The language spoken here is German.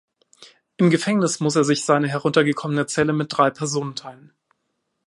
Im Gefängnis muss er sich seine heruntergekommene Zelle mit drei Personen teilen.